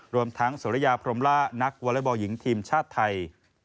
รวมทั้งสุริยาพรมล่านักวอเล็กบอลหญิงทีมชาติไทย